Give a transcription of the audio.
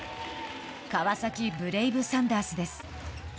川崎ブレイブサンダースです。